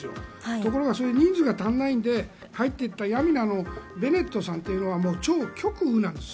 ところが人数が足りないので入っていったヤミナのベネットさんというのは超極右なんです。